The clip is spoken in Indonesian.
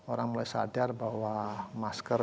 orang mulai sadar bahwa masker